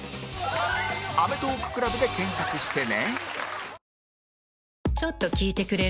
「アメトーーク ＣＬＵＢ」で検索してね